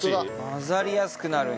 混ざりやすくなるんだ。